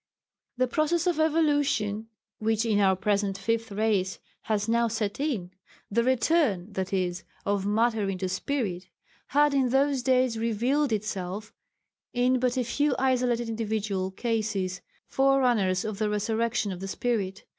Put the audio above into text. The process of evolution which in our present Fifth Race has now set in the return, that is, of matter into spirit had in those days revealed itself in but a few isolated individual cases forerunners of the resurrection of the spirit.